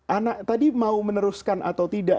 anak tadi mau meneruskan atau tidak